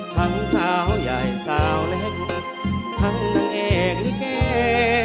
ทั้งสาวใหญ่สาวเล็กทั้งนางเอกลิเก